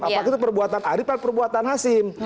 apakah itu perbuatan arif dan perbuatan hasim